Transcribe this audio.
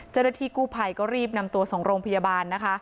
เจรฐีกู้ภัยก็รีบนำตัวส่งโรงพยาบาล